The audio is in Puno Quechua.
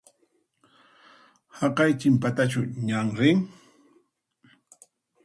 Haqay chinpatachu ñan rin?